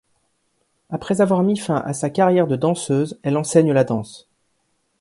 Après avoir mis fin à sa carrière de danseuse, elle enseigne la danse.